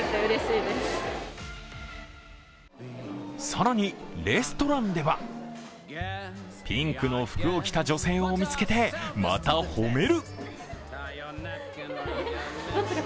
更にレストランではピンクの服を着た女性を見つけて、また褒める。